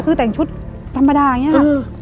คือแต่งชุดธรรมดาอย่างนี้ค่ะ